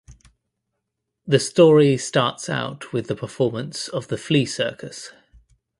The story starts out with the performance of the flea circus.